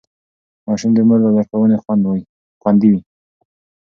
ماشوم د مور له لارښوونې خوندي وي.